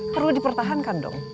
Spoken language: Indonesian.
perlu dipertahankan dong